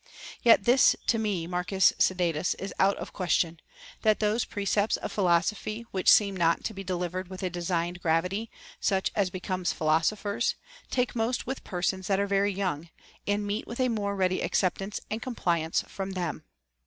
Yet this to me, Marcus Sedatus, is out of question, that those precepts of philosophy which seem not to be deliv ered with a designed gravity, such as becomes philosophers, take most with persons that are very young, and meet with a more ready acceptance and compliance from them.